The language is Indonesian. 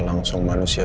kembali ke rumah saya